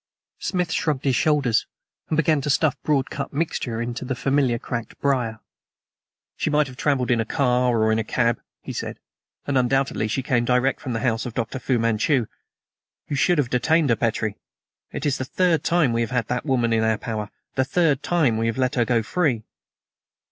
Smith shrugged his shoulders and began to stuff broad cut mixture into the familiar cracked briar. "She might have traveled in a car or in a cab," he said; "and undoubtedly she came direct from the house of Dr. Fu Manchu. You should have detained her, Petrie. It is the third time we have had that woman in our power, the third time we have let her go free."